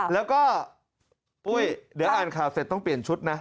แล้วก็ปุ้ยเดี๋ยวอ่านข่าวเสร็จต้องเปลี่ยนชุดนะ